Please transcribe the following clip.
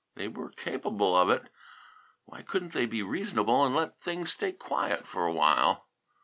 They were capable of it. Why couldn't they be reasonable and let things stay quiet for a while?